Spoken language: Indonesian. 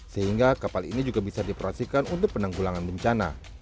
sehingga kapal ini juga bisa diproyeksikan untuk penanggulangan bencana